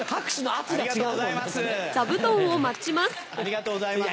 ありがとうございます。